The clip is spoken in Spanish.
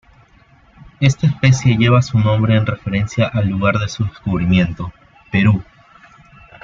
Esta especie lleva su nombre en referencia al lugar de su descubrimiento, Perú.